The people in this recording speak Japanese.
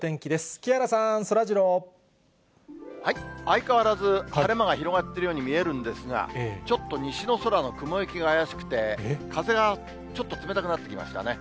木原さん、そらジロー。相変わらず晴れ間が広がっているように見えるんですが、ちょっと西の空の雲行きが怪しくて、風がちょっと冷たくなってきましたね。